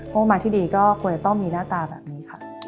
ประมาณที่ดีก็ควรจะต้องมีหน้าตาแบบนี้ค่ะ